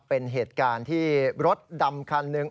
เป็นเหตุการณ์ที่รถดำคันหนึ่ง